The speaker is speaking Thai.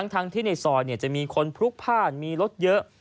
ทั้งที่ในซอยจะมีคนพลุกพ่านมีรถเยอะ